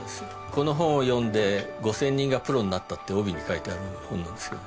この本を読んで５，０００人がプロになったって帯に書いてある本なんですけど。